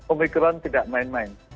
omikron tidak main main